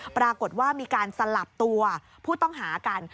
ปรากฏว่ามีการสลับตัวผู้ต้องหากัน